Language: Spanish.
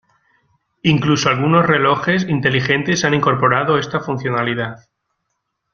Incluso algunos relojes inteligentes han incorporado esta funcionalidad.